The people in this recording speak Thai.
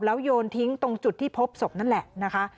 แล้วโยนทิ้งตรงจุดที่พบศพนั่นแหละนะคะ